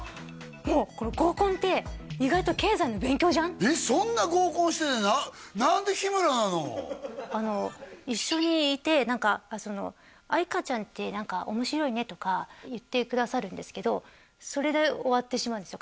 もうこの合コンってえっそんな合コンしてて一緒にいて何か愛花ちゃんって何か面白いねとか言ってくださるんですけどそれで終わってしまうんですよ